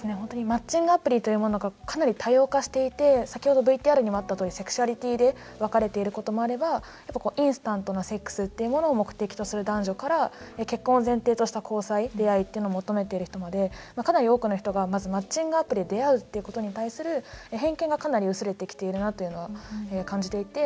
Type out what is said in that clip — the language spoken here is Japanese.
マッチングアプリというものがかなり多様化していて先ほどＶＴＲにもあったとおりセクシャリティーで分かれていることもあればインスタントなセックスっていうものを目的とする男女から結婚を前提とした交際、出会いっていうのを求めている人までかなり多くの人がまずマッチングアプリで出会うっていうことに対する偏見がかなり薄れてきているなというのは感じていて。